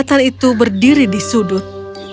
dia berdiri di sudut